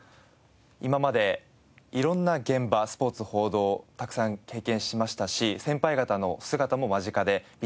今まで色んな現場スポーツ報道たくさん経験しましたし先輩方の姿も間近で見てきました。